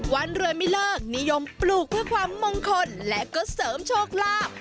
วันรวยไม่เลิกนิยมปลูกเพื่อความมงคลและก็เสริมโชคลาภ